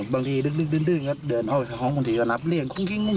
บางทีฤดดึนเดินเอาของหลองปกติเลี้ยง